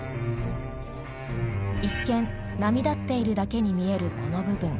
一見波立っているだけに見えるこの部分。